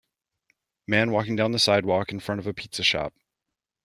Man walking down the sidewalk in front of a pizza shop.